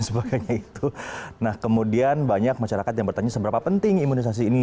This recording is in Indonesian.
sebagainya itu nah kemudian banyak masyarakat yang bertanya seberapa penting imunisasi ini